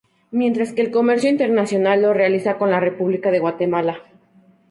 Mientras que el comercio internacional lo realiza con la república de Guatemala.